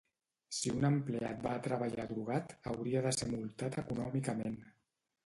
Si un empleat va a treballar drogat hauria de ser multat econòmicament